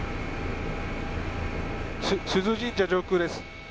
珠洲神社上空です。